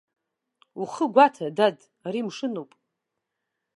Ухы гәаҭа, дад, ари мшынуп!